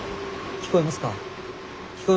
聞こえますか？